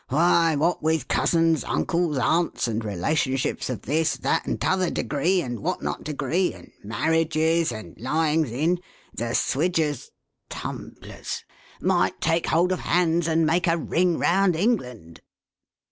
Why, what with cousins, uncles, aunts, and relationships of this, that, and t'other degree, and what not degree, and marriages, and lyings in, the Swidgers — Tumblers — might take hold of hands, and make a ring round England